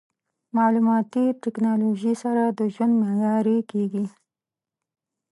مالوماتي ټکنالوژي سره د ژوند معیاري کېږي.